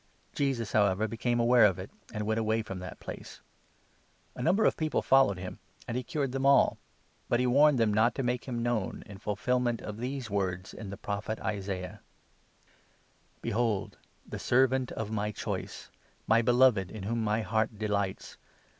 Jesus, however, became aware of it, and went away from 15 that place. A number of people followed him, and he cured them all ; but he warned them not to make him known, 16 in fulfilment of these words in the Prophet Isaiah — 17 ' Behold ! the Servant of my Choice, 18 My Beloved, in whom my heart delights